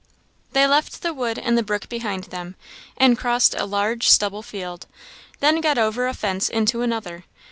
They left the wood and the brook behind them, and crossed a large stubble field; then got over a fence into another.